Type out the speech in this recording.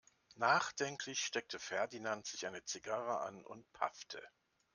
Nachdenklich steckte Ferdinand sich eine Zigarre an und paffte.